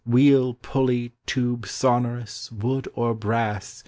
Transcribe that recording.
Wheel, pulley, tube sonorous, wood or brass.